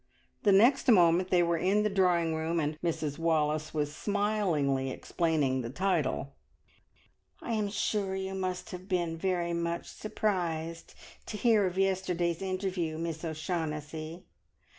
The next moment they were in the drawing room, and Mrs Wallace was smilingly explaining the title. "I am sure you must have been very much surprised to hear of yesterday's interview, Miss O'Shaughnessy!